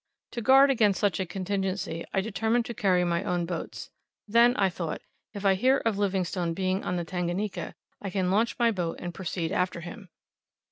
To guard against such a contingency I determined to carry my own boats. "Then," I thought, "if I hear of Livingstone being on the Tanganika, I can launch my boat and proceed after him."